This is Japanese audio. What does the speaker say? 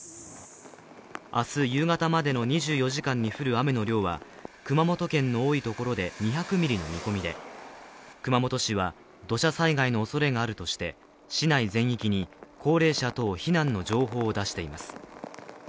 明日夕方までの２４時間に降る雨の量は熊本県の多いところで２００ミリの見込みで、熊本市は土砂災害のおそれがあるとして市内全域に高齢者等避難の情報を出しています。